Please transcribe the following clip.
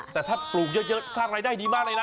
แต่ถ้าปลูกเยอะสร้างรายได้ดีมากเลยนะ